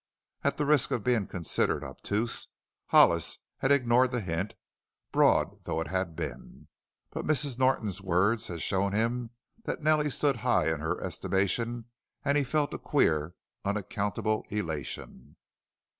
At the risk of being considered obtuse Hollis had ignored the hint, broad though it had been. But Mrs. Norton's words had shown him that Nellie stood high in her estimation and he felt a queer, unaccountable elation.